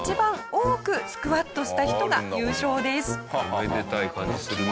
おめでたい感じするね。